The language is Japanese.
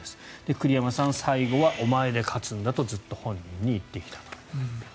栗山さん最後はお前で勝つんだとずっと本人に言ってきたと。